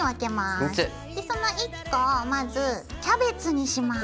その１個をまずキャベツにします。